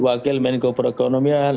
wakil menko perekonomian